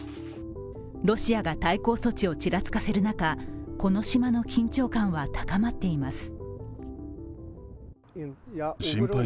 ロシアが対抗措置をちらつかせる中、この島の緊張感は高まっています。